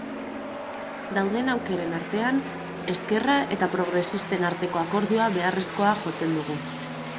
Dauden aukeren artean, ezkerra eta progresisten arteko akordioa beharrezkoa jotzen dugu.